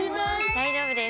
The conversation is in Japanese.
大丈夫です！